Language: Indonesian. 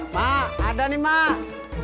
mak ada nih mak